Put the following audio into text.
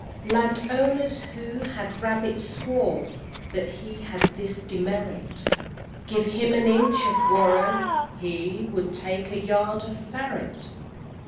Land owners, who had rabbits, swore That he had this demerit Give him an inch of warren, he Would take a yard of ferret.